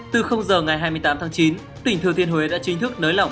từ giờ ngày hai mươi tám tháng chín tỉnh thừa thiên huế đã chính thức nới lỏng